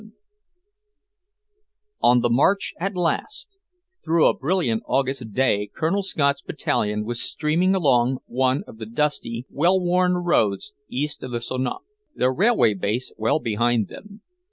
VII On the march at last; through a brilliant August day Colonel Scott's battalion was streaming along one of the dusty, well worn roads east of the Somme, their railway base well behind them.